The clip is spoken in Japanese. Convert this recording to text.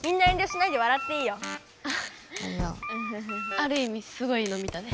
あるいみすごいの見たね。